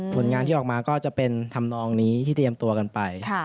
ผลงานที่ออกมาก็จะเป็นธรรมนองนี้ที่เตรียมตัวกันไป